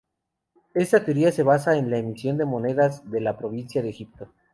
Esta teoría se basa en la emisión de monedas de la provincia de Egipto.